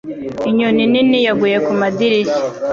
Inyoni nini yaguye kumadirishya.